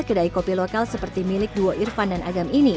kedai kopi lokal seperti milik duo irfan dan agam ini